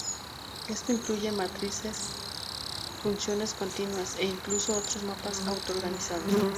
Esto incluye matrices, funciones continuas, e incluso otros mapas auto-organizados.